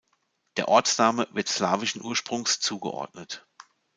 Der Ortsname wird slawischen Ursprungs zu geordnet.